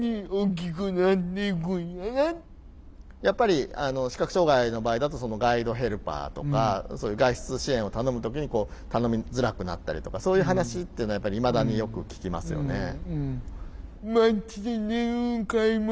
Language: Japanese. やっぱり視覚障害の場合だとガイドヘルパーとかそういう外出支援を頼む時に頼みづらくなったりとかそういう話っていうのはやっぱりいまだによく聞きますよね。